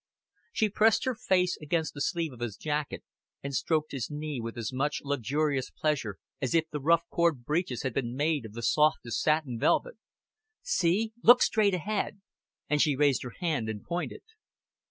She pressed her face against the sleeve of his jacket, and stroked his knee with as much luxurious pleasure as if the rough cord breeches had been made of the softest satin velvet. "See. Look straight ahead," and she raised her hand and pointed.